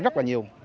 rất là nhiều